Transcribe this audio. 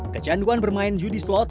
kecanduan bermain judi slot